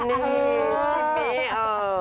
ชิมมิเออ